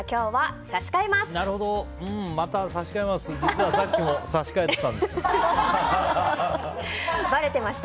うーん、また差し替えます。